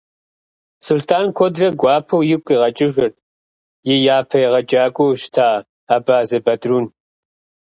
Сулътӏан куэдрэ гуапэу игу къигъэкӏыжырт и япэ егъэджакӏуэу щыта Абазэ Бадрун.